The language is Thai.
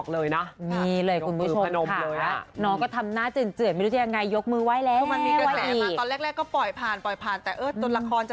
แล้วทุกอย่างเป็นการโปรโมทละคร